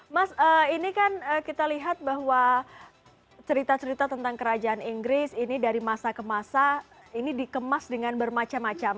mas ini kan kita lihat bahwa cerita cerita tentang kerajaan inggris ini dari masa ke masa ini dikemas dengan bermacam macam